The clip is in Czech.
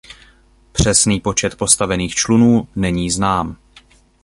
Přesný počet postavených člunů není znám.